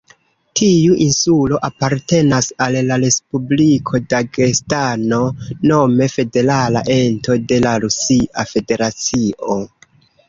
Tiu insulo apartenas al la Respubliko Dagestano, nome federala ento de la Rusia Federacio.